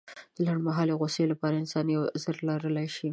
لنډمهالې غوسې لپاره انسان يو عذر لرلی شي.